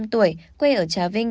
bốn mươi năm tuổi quê ở trà vinh